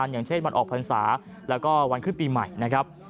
อย่างเช่นวันออกพรรษาแล้วก็วันขึ้นปีใหม่นะครับ